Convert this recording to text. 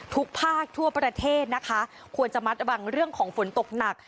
ทุกภาคทั่วประเทศนะคะควรจะมัดระวังเรื่องของฝนตกหนัก